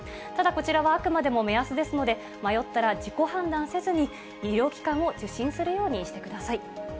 ただこちらはあくまでも目安ですので、迷ったら自己判断せずに、医療機関を受診するようにしてください。